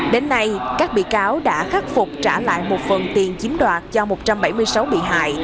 đến nay các bị cáo đã khắc phục trả lại một phần tiền chiếm đoạt cho một trăm bảy mươi sáu bị hại